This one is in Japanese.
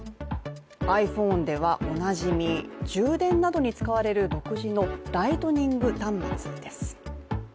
ｉＰｈｏｎｅではおなじみ充電などに使われる独自のライトニング端子です。